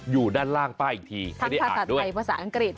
อยู่ด้านล่างป้าอีกทีอันนี้ภาษาไทยภาษาอังกฤษ